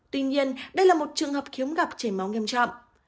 tuy nhiên đây là một trường hợp hiếm gặp chảy máu nghiêm trọng